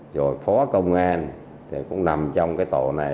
rồi phó công an thì cũng nằm trong cái tổ này